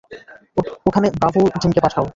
ওখানে ব্রাভো টিমকে পাঠাও।